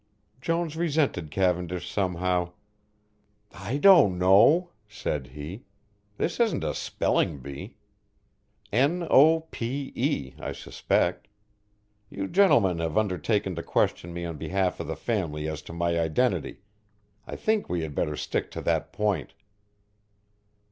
Jones resented Cavendish somehow. "I don't know," said he, "this isn't a spelling bee. N o p e I suspect. You gentlemen have undertaken to question me on behalf of the family as to my identity, I think we had better stick to that point."